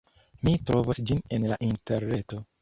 Mi trovos ĝin en la Interreto.